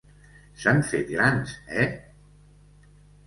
S'han fet grans, eh?